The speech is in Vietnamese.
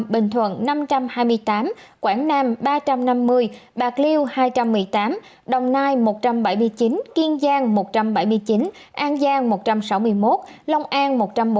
bình thuận năm trăm hai mươi tám quảng nam ba trăm năm mươi bạc liêu hai trăm một mươi tám đồng nai một trăm bảy mươi chín kiên giang một trăm bảy mươi chín an giang một trăm sáu mươi một long an một trăm bốn mươi